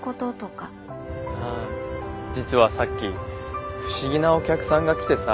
あ実はさっき不思議なお客さんが来てさ。